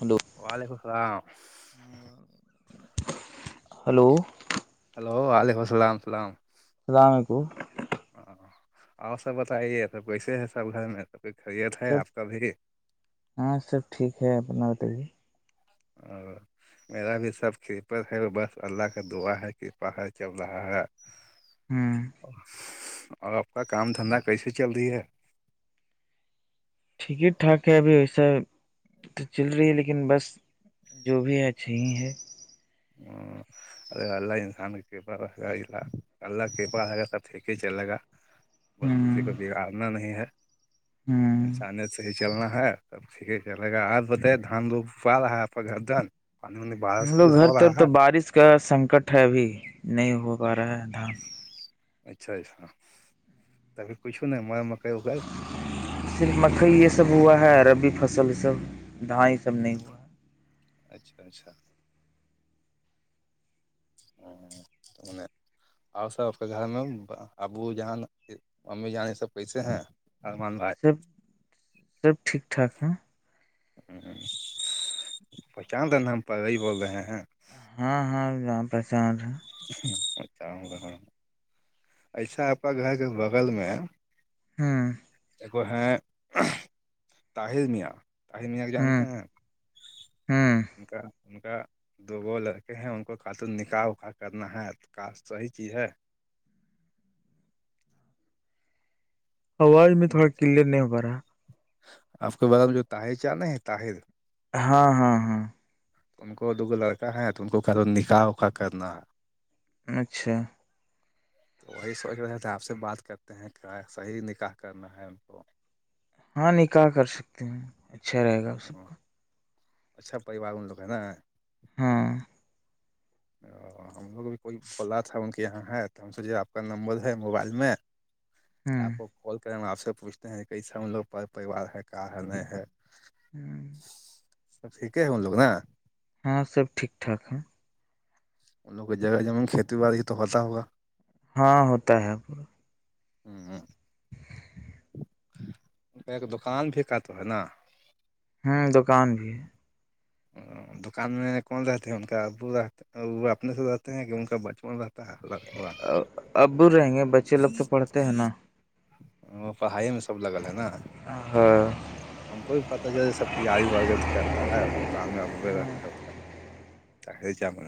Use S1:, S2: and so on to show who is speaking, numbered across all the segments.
S1: hello
S2: وعلیکم السلام
S1: hello
S2: hello وعلیکم السلامسلام [unintelligible]
S1: السلام علیکم
S2: ہ آؤ سب بتائیے سب کیسے ہے سب گھر میں سب کی خریت ہے
S1: سب
S2: آپ کا بھی [unintelligible]
S1: ہاں سب ٹھیک ہے اپنا بتے
S2: اور میرا بھی سب کرپر ہے بس اللہ کا دعا ہے کرپا ہے چل رہا ہے
S1: ہوں
S2: [unintelligible] اور آپ کا کام دھندا کیسے چل رہی ہے
S1: ٹھیک ہی ٹھاک ہے ابھی ویسا تو چل رہی ہے لیکن بس جو بھی ہے اچھھی ہی ہے
S2: ہوں ار اللہ انسان کی کرپا رہے گالہ اللہ کرپا رہے گا تب پٹھیک ہی چلے گا بس کسی
S1: ہوں
S2: کو بگاڑنا نہیں ہے
S1: ہوں
S2: انسانیت سے صحیح چلنا ہے سب ٹھیک چلے گا آج بت دھان لوگ پا رہا ہے آپ کا گھر دھان پانی ان بر سے ہو
S1: ا تر
S2: رہا
S1: تو
S2: ہے
S1: بارش کا سنکٹ ہے ابھی نہیں ہو پا رہا ہے دام
S2: اچھا اچھا تہ پچھ ہو نہ مئ مکئی ہو گھر
S1: صرف مکئی یہ سب ہوا ہے اورربی فصل سب دھان یہ سب
S2: ہ
S1: نہیں ہوا ہے
S2: اچھا اچھا [unintelligible] اور سب آپ کے گھر میں ابو جان امی جان یہ سب کیسے ہیں ارمان بھائی
S1: سب سب ٹھیک ٹھاک ہیں
S2: ہ پہچان د ن ہم پری بول رہے ہیں
S1: ہاں ہاں رام پرسان
S2: رہ ایسا اپ کا گھر کے بغل میں
S1: [unintelligible]
S2: کو ہیں طاہر میاں طاہل میاں جانتے
S1: ہوں
S2: ہیں
S1: ہوں
S2: ان کا ان کا دو وہ لڑکے ہیں ان کو خاتون نکاح اکا کرنا ہے تو کاس صحی چیز ہے
S1: آواز میں تھوڑا کلیئر نہیں ہو پا رہا
S2: آپ کے بغ میں جو طاہر چانے ہیں طاہر
S1: ہاں ہاں ہاں
S2: ان کو دوگو لڑکا ہے تو ان کو کرو نکاح اکا کرنا ہے
S1: اچھا
S2: تو وہی سوچ رہے تھے آپ سے بات کرتے ہیں کیا صحیح نکاح کرنا ہے ان کو
S1: ہاں نکاح کر سکتے ہ اچھا رہے گا اس سب
S2: ہ
S1: کا
S2: اچھا پریوار ان لوگ ہیں نا
S1: ہاں
S2: ہم لوگ بھی کوئی بو رہا تھا ان کے یہاں ہے تو ہم سوچے آپ کا نمبر ہے موبائل میں
S1: ہوں
S2: آپو کال کرے آپ سے پوچھتے ہیں کیسا ہم لوگ پریوار ہے کا ہے نہیں ہے
S1: ہاں
S2: ٹھیک ہے ہم لوگ نا
S1: ہاں سب ٹھیک ٹھاک ہے
S2: ان لوگ کے جگہ جمین کھیتی بای تو ہوتا ہوگا
S1: ہاں ہوتا ہے پا
S2: ہوں ہ دکان بھی کا تو ہے نا
S1: ہوں دکان بھی ہے
S2: دکان میں کون رہتے ہیں ان کا ابو رہ وہ اپنے سے رہتے ہیں کہ ان کا بچپن رہتا ہے لڑکوا
S1: اببر رہیں گے بچے لگ تو پڑھتے ہیں نا
S2: وہ پڑھائی میں سب لگل ہے نا
S1: ہاں
S2: ہم کو بھی پتا چل سب تیاری برگت کرتا ہے کامیا اب رہا ہے ہم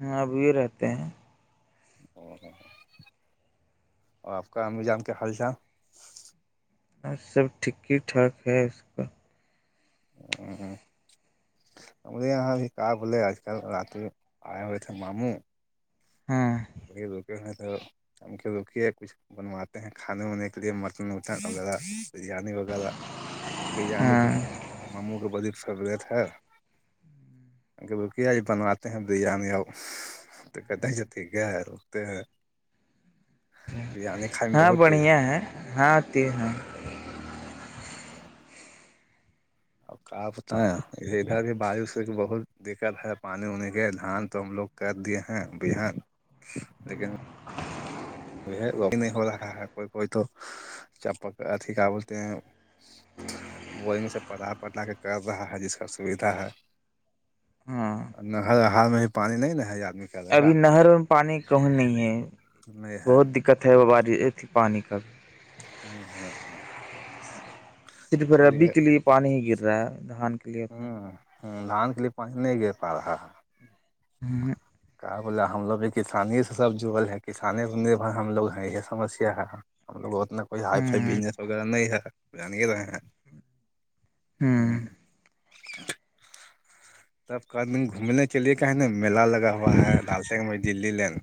S1: ہ اب بھی رہتے ہیں
S2: [unintelligible] اور آپ کا ان نظام کے حال چال
S1: اور سب ٹھیک ہی ٹھاک ہے اس کا
S2: [unintelligible] ہمرے یہاں بھی کار ہوولے آج کل رات آئے ہو رہے تھ ماموں
S1: ہاں
S2: ڑ دکےیں تو سمکھھی دکھی ہے کچھ بنواتے ہیں کھانے وے کے لیے مٹن وٹن وغیرہ بریانی وغیرہ بریانی
S1: ہاں
S2: تو مموں کے بریی سبریت ہے کہ کیا یہ بنواتے ہیں دان آ تو کہتے ٹھیک ہے ہے روکتے ہیں بریانی کھائے میں
S1: ہاں
S2: بہت تیز
S1: بڑھیا
S2: ہو
S1: ہے ہاں ت ہاں
S2: ہ [unintelligible] وں [unintelligible] اور کا آپتا اھر کے بایش سے بہت دقت ہے پانی وانی کے دھان تو ہم لوگ کر دیے ہیں بان [unintelligible] [unintelligible] دیکیک [unintelligible] وہ بھی نہیں ہو رہا ہے کوئی کوئی تو چپک اھی کا بولتے ہیں بورنگ سے پٹ پٹلا کے کر رہا ہے جس کا سویدھا ہے
S1: ہاں
S2: نہر ہال میں بھی پانی نہیں ن ہے آدمی کرے
S1: ابھی
S2: گا
S1: نہر میں پانی کہیں نہیں ہے
S2: نہیں ہے
S1: بہت دقت ہے وہ بارشھی پانی کا بھی
S2: ہوں ہوں ہ [unintelligible] [unintelligible]
S1: صرفا ہے بیچ کے لیے پانی ہی گر رہا ہے دھان کے لیے
S2: ہوں
S1: اپنا
S2: ہ دھان کے لیے پانی نہیں گر پا رہا ہے [unintelligible] [unintelligible]
S1: ہوں [unintelligible] [unintelligible]
S2: کہ بولے ہم لوگ بھی کسانی سے سب جڑل ہے کسانانی سے نربھر ہم لوگ ہیں یہ سمیا ہے ہم لوگ اتنا [unintelligible] [unintelligible] کوئی ہائی فائی
S1: ہوں
S2: بزنس وغیرہ نہیں ہے جان رہے ہیں ہ
S1: ہوں
S2: [unintelligible] [unintelligible] تب کا د گھومنے کے لیے کہ نا میلا لگا ہو [unintelligible] [unintelligible] ہوا ہے ڈال سےگ میں دلی لین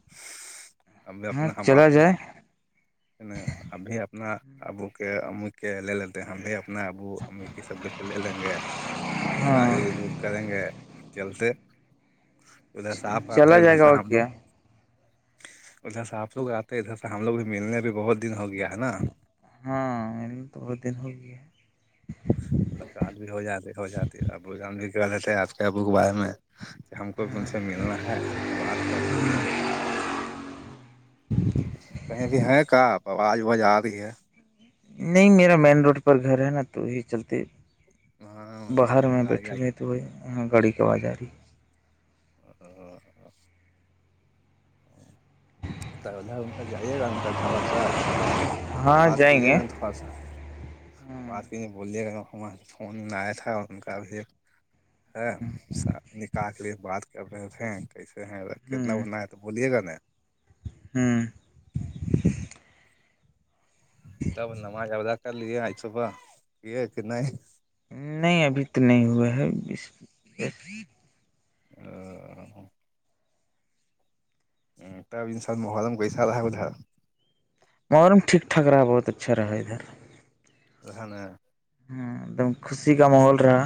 S2: اب
S1: ہاں
S2: اپناپ
S1: چلا
S2: [unintelligible] [unintelligible]
S1: جائے
S2: اب بھی اپنا آبو کے امک کے لے لتے ہم بھی اپنا ابو امک سب ل [unintelligible] ک ل گ [unintelligible] [unintelligible] گاڑی وڑی
S1: ہاں
S2: بک کریں گے چلتے ادھر صاف بات
S1: چلا
S2: ہےدھر
S1: جائے گا
S2: سے
S1: اور
S2: ہم لوگ [unintelligible]
S1: کیا
S2: [unintelligible] ادھر سے آپ لوگ آتے ہیں ادھر سے ہم لوگ بھی ملنے بھی بہت دن ہو گیا ہے نا
S1: ہاں مل تو بہت دن ہو گیا
S2: ملاقات بھی ہو جاتی ہو جاتی اور بوجن بھی کر دیتے ہے آج ک بوکوار میں [unintelligible] ہم کو بھی ان سے ملنا ہے بات کرتے ہیں کہیں بھی ہے کاپ آواز آواز آ رہی ہے
S1: نہیں میرا مین روڈ پر گھر ہے نا تو یہ چلتے
S2: ہاں
S1: باہر میں
S2: گائے گ
S1: بیٹھے
S2: [unintelligible]
S1: ہوئے تو وہ گاڑی کے باز جا رہی [unintelligible]
S2: اور [unintelligible] ادھر ان جائیے گا گبر سے
S1: ہاں
S2: بات
S1: جائیں
S2: کیجے
S1: گے
S2: گا تھوڑا سا [unintelligible] بات کےے بلیے سے فون آیا تھا اور ان کا بھی ہے س نکح کے لیے بات کر رہے تھ کیسے ہیں کتنا
S1: ہوں
S2: انا [unintelligible] تو بولیے گ نا [unintelligible]
S1: ہوں
S2: تب نماز آ [unintelligible] چلے آج صبح یہ کہ نہیں [unintelligible] [unintelligible]
S1: نہیں ابھی تو نہیں ہوا ہے
S2: ا [unintelligible] [unintelligible] تب انسان محرلم کیسا رہا ہے ادھرا
S1: اورم ٹھ ٹھاک رہا بہت اچھا رہا ادھر
S2: ز نے [unintelligible] [unintelligible]
S1: ہ ایک دم خوشی کا ماحول رہا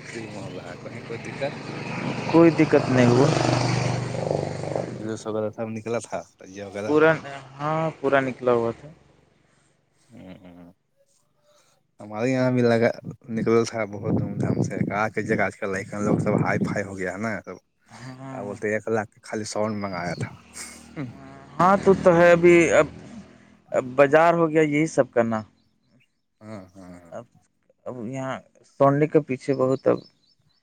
S2: اسسی کو مح ب کہیں کوئی دقت
S1: کوئی دقت نہیں ہوا
S2: ج سگا تھا نکلا تھا [unintelligible] [unintelligible]
S1: پورا ہاں پورا نکلا ہوا تھا
S2: [unintelligible] ہوں ہ [unintelligible] ہمارے یہاں بھی لگا نکل تھا بہت دھوم دھام سے سااا لو سب ہائی فائی- ہو گیا نا یہ سب کیا بولتے ایک لاکھ کے خالی سور نے منگایا تھا-
S1: ہاں تو- تو ہے ابھی ابب بازار ہو گیا یہی سب کرنا
S2: ہاں- ہاں
S1: اب- اب یہاں سڈے کے پیچھے بہت اب-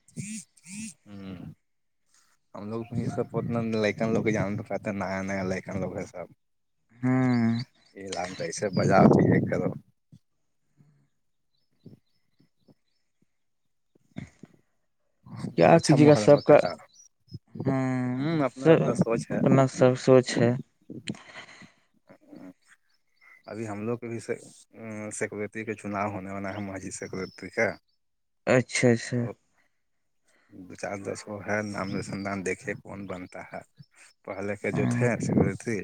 S2: [unintelligible] ہم لوگھ س لکن لوگ جان نیا -نیا لکن لوگ ہے سب
S1: ہوں
S2: یہ لام تو ایسے مزہ آتی ہے کرو [inaudible]
S1: کیا
S2: اچھا
S1: کیجیے گا سب
S2: محرم
S1: کا
S2: کرتا
S1: ہ
S2: ہوں
S1: س
S2: اپنا اپنا سوچ ہے
S1: اپنا- سر سوچ
S2: ابھی ہم لوگ بھی سے ہونے والا ہے ماجد سے کوئی طریقہ
S1: اچھا- اچھا
S2: دو چار دس کو ہے نام رسدان دیکھے کون بنتا ہے- پہلے کے جو
S1: ہاں
S2: تھے س ب تھی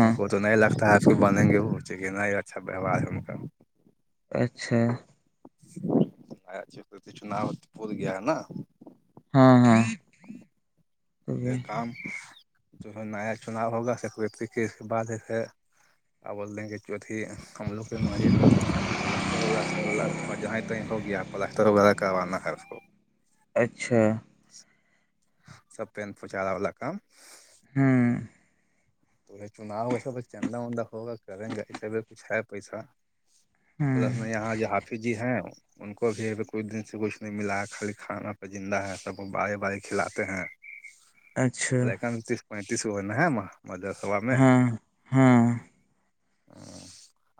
S2: ان کو تو نہیں لگتا ہے آپ بنیں گے ب چ ن ہی اچھا ویوہار ہے ان کا
S1: اچھا
S2: چھنا پول گیا ہے نا
S1: ہاں- ہاں
S2: یہ کام جو ہے نیا چناؤ ہوگا سیکری کے اس کے بعدے- آ بولتے ہیں کہ چتھی ہم لوگ کی مسجد میں- پلسٹر ولسر والا تھوڑا جہیں تیں ہو گیا پلسٹر وغیرہ کروان نہ کر سو
S1: اچھا
S2: سب پ پچارا والا کام-
S1: ہوں
S2: تو چناؤ وسا تو چندا وندا ہوگا کریں گا ایسے بھی کچھ ہے پیسہ-
S1: ہوں
S2: پلس میں یہاں جو حافظ جی ہیں ان کو بھیھی ابھی کچھ دن سے کچھ نہیں ملا ہے خالی کھانا پہ زندہ ہے سب وہ بار- بار کھلاتے ہیں
S1: اچھا
S2: ن تیس پینتیرس اوور ن ہ م مدسبا میں
S1: ہاں ہاں
S2: ہوں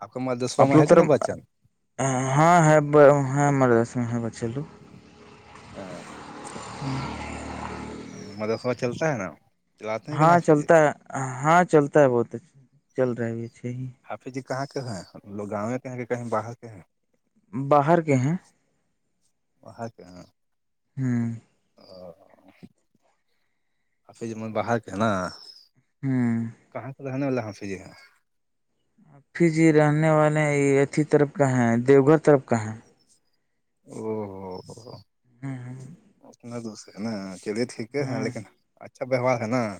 S2: آپ کا ملدسا
S1: آپ
S2: میں
S1: لوگ
S2: ہے کہ نا
S1: طرف
S2: بچن-
S1: ہاں ہے ہ مردس میں ہے ب چلو
S2: ہاں-
S1: [unintelligible]
S2: مدروخبہ چلتا ہے نا چلاتے ہیں کہ نا
S1: ہاں
S2: حافظ جی
S1: چلتا ہے, ہاں چلتا ہے, بہت اچھا چل رہا ہے بھی اچھا ہی-
S2: حافظ جی کہاں کے ہیں لوگ گاوں کے ہیں کہ کہیں باہر کے ہیں
S1: باہر کے ہیں
S2: وہاں کہ ہاں-
S1: ہوں-
S2: او آپھر جو من باہر کے ہے نا
S1: ہاں-
S2: اللہ حافظ
S1: پھر جی رہنے والے یہ اھی طرف کا ہے دیو گھر طرف کا ہے
S2: او ہو
S1: ہ
S2: اچھ اتنا دوسرے نا چلیے ٹھیک ہے
S1: ہاں
S2: لیکن اچھا ویوہار ہے نا-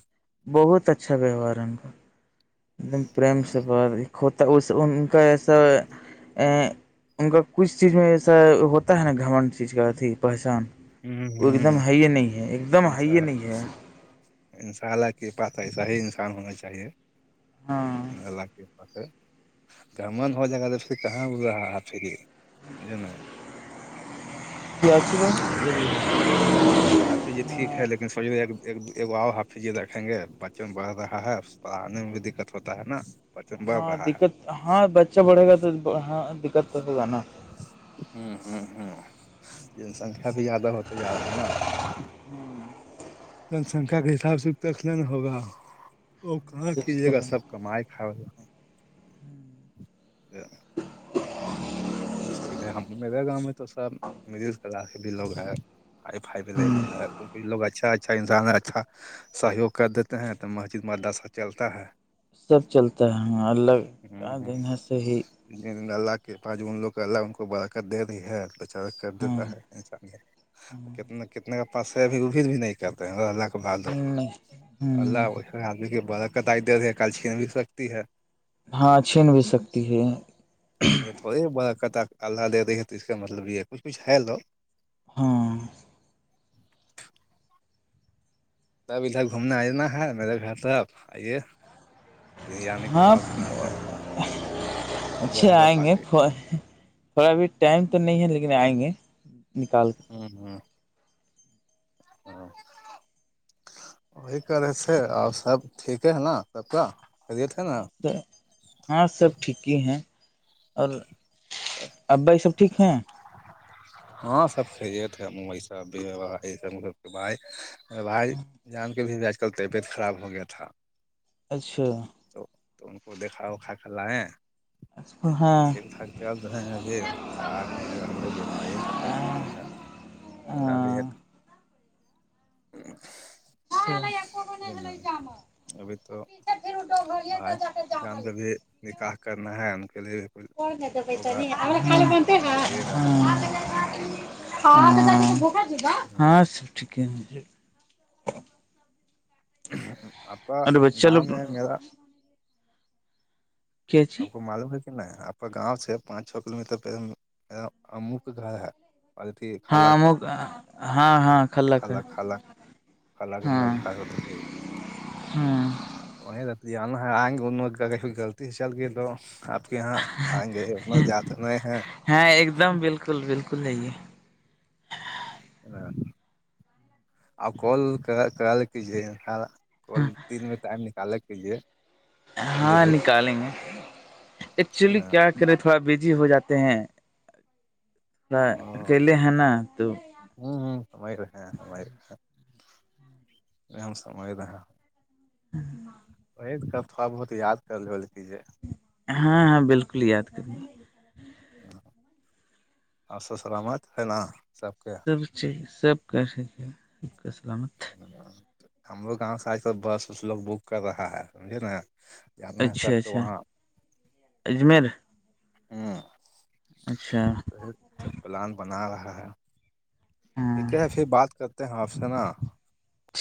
S1: بہت اچھا ویوہار ہے ان کا ایک دمریم سے
S2: ہوں
S1: بات- تو اس ان کا س- ا ان کا کچھ چیز میں ایسا ہوتا ہے نا گھمنڈ چیز کا اھی پہچان وہ ایک دم ہے ہے نہیں ایک دم ہے
S2: انسا
S1: ہی ہے
S2: ان شاء اللہ کے پس ایسا ہی انسان ہونا چاہیے
S1: ہاں
S2: پاس گمن ہو جائے گا جب سے کہاں رہا ہے فری جناا
S1: کیاچ میں
S2: ہم لوگ بھی آاے پھر جی ٹھیک ہے لیکن سوچ آؤ آپ پھر جی رکھیں گے بچپن بڑھ رہا ہے پڑھاننے میں بھی دقت ہوتا ہے نا بچن بڑھ
S1: ہاں
S2: رہا ہے
S1: دقت ہاں بچہ بڑھے گا تو ہاں دقت تو ہوگا نا
S2: ہوں ہوں ہوں جن سنکھیا بھی زیادہ ہوتے جا رہا ہے نا
S1: ہوں
S2: جن سنکھیا کے حساب سے اتقلین ہوگا وہ کہاں کیجیے گا سب کمائی کھا لگ ہم میرے گاؤں میں تو سب مڈل کلاس بھی لوگ ہیں ہ فائی بھی ل ہے کو کوئی لوگ اچھا اچھا انسان ہے اچھا سہیوگ کر دیتے ہیں تو مسجد مداسا چلتا ہے
S1: سب چلتا ہے اللہ کا
S2: ہ
S1: دین سے ہی
S2: اللہ کے پا ان لوگ اللہ ان کو بڑ کر دے رہی ہے کر
S1: ہاں
S2: دیتا ہے انسانی کتنا کتنے کا پاسے اب اب بھی نہیں کرتے اس کے بعد ہو
S1: نہیں
S2: اللہ
S1: ہ
S2: اس آدمی کی برک کت دے رہی ہے کل چھین بھی سکتی ہے
S1: ہاں چھین بھی سکتی ہے
S2: یہ تھوڑی بڑا کتا اللہ دے رہی تو اس کا مطلب یہ ہے کچھ کچھ ہے لو
S1: ہاں
S2: تب ادھر گھومنے آئی نا ہے میرے گھر تب آئیے بریانی کب
S1: ہاں
S2: آاب بناتے ہیں تو
S1: اچھے
S2: رہ گا
S1: آئیں
S2: پات
S1: گے تھوڑا ابھی ٹائم تو نہیں ہے لیکن آئیں گے نکال کر
S2: ہاں ہاں ہاں وہی کرے تھ آ سب ٹھ ہے ہے نا سب کا خریت ہے نا
S1: تو ہاں سب ٹھیک ہی ہیں اور ابائی سب ٹھیک ہیں
S2: ہاں سب صحی تھی سب بھی سب بھائی باہار جان کے بھی بھی آج کل طبیعت خراب ہو گیا تھا
S1: اچھا
S2: تو تو ان کو دیکھا وکھا کر لائیں
S1: ہاں
S2: تو
S1: ہاں
S2: ٹھیک ٹھاک چل رہے ہیں بھی آ کی جگہ ہم لوگ بیماری سے پریشان ہے ان کا بھی
S1: ہاں
S2: ہےت
S1: جا
S2: ابھی تو بھائی جان کے بھی نکاح کرنا ہے ان کے لیے بھی کچھ
S1: خ
S2: ہوگا
S1: پ
S2: تو بولیے گا
S1: ہاں سب ٹھیک ہے ہیں
S2: آپ کا
S1: اور بچہ
S2: گاؤں
S1: لوگ
S2: ہے میرا
S1: کے جی
S2: آپ کو معلوم ہے کہ ن آ گاؤ سے پانچ چھ کلو میٹر پہ اموک گھر ہے پالٹی خال
S1: ہاں م
S2: کا
S1: ہاں ہاں کلا کا
S2: خالا خال ال الگ م
S1: ہاں
S2: الگ ہو ہے
S1: [inaudible]
S2: وہتی ا ہگ انلتی شل آپ کے یہاں آئیں گے منا جا کر ہیں [unintelligible]
S1: کل ول کل نہیںی یہ
S2: ہ آ کال کر کرال کی ج خالا [unintelligible] کل
S1: ہاں
S2: تین میں ٹائم نکالے کیجے
S1: ہاں نکالیں گے ایکچولی
S2: نا
S1: کیا ے تھوڑا بزی ہو جاتے ہیں تھوڑا
S2: ہوں
S1: اکیلے ہیں نا تو
S2: ہوں ہ سم رہ سم رہ مم سم رہ ہ [unintelligible]
S1: [inaudible]
S2: وہی تھوڑا بہت یاد کر لول کیی
S1: ہاں ہاں بالکل یاد کریں
S2: ہ اور سسرامت ہے نا سب کے
S1: سب چیز سب کا سلامت [unintelligible]
S2: ہمرو گاؤں س س بس اس لوگ بک کر رہا ہے سمجے نا اپنا سب
S1: اچھا
S2: کے
S1: اچھا
S2: وہاں
S1: اجمیر
S2: [unintelligible]
S1: اچھا
S2: ہ سب پلان بنا رہا ہے ٹھیک ہے
S1: ہاں
S2: پھر بات کرتے ہیں آپ سے نا